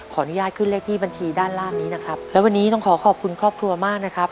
อนุญาตขึ้นเลขที่บัญชีด้านล่างนี้นะครับและวันนี้ต้องขอขอบคุณครอบครัวมากนะครับ